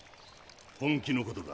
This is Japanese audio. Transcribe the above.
本気の事だ。